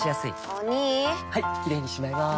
お兄はいキレイにしまいます！